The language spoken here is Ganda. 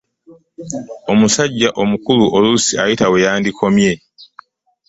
Omusajja omukulu oluusi oyita we wandikomye.